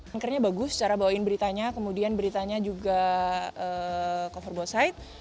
angkernya bagus secara bawain beritanya kemudian beritanya juga cover by site